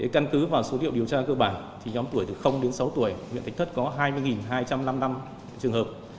căn cứ vào số liệu điều tra cơ bản nhóm tuổi từ đến sáu tuổi huyện thạch thất có hai mươi hai trăm năm mươi năm trường hợp